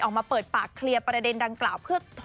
ออกมาเปิดปากเคลียร์ประเด็นดังกล่าวเพื่อ